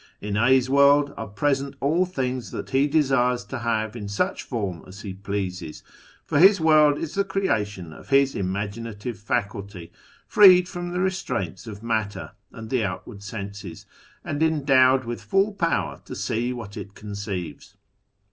In A's world are present all things that he desires to have in such form as he pleases, for his world is the creation of his Imaginative Faculty freed from the restraints of matter and the outward senses, and endowed with full power to see what it conceives.